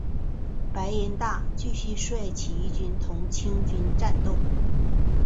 白音大赉则继续率起义军同清军战斗。